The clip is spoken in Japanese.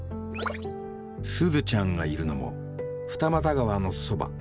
すずちゃんがいるのも二俣川のそば。